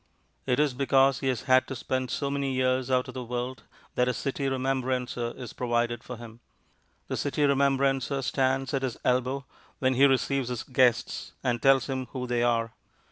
It is because he has had to spend so many years out of the world that a City Remembrancer is provided for him. The City Remembrancer stands at his elbow when he receives his guests and tells him who they are.